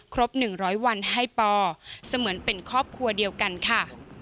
ครบ๑๐๐วันให้ปอเสมือนเป็นครอบครัวเดียวกันค่ะ